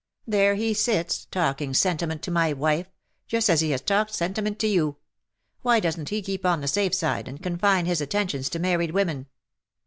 There he sits, talking sentiment to my wife — ^just as he has talked sentiment to you. Why doesn't he keep on the safe side, and confine his attentions to married women?"